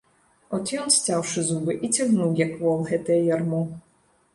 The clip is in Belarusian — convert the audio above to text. От ён, сцяўшы зубы, і цягнуў, як вол, гэтае ярмо.